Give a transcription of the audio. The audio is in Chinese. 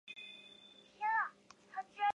罗斯福在优渥的环境下长大。